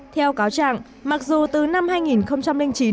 theo cáo trạng mặc dù từ năm hai nghìn